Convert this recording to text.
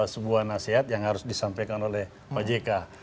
sebuah nasihat yang harus disampaikan oleh pak jk